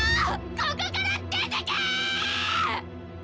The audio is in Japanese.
ここから出てけェーッ！